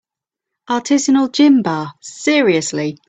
Artisanal gin bar, seriously?!